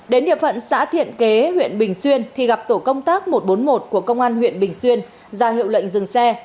đến địa phận xã thiện kế huyện bình xuyên thì gặp tổ công tác một trăm bốn mươi một của công an huyện bình xuyên ra hiệu lệnh dừng xe